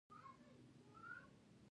سیلابونه څنګه مخنیوی کیدی شي؟